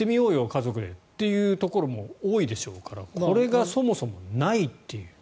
家族でというところも多いでしょうからこれがそもそもないという。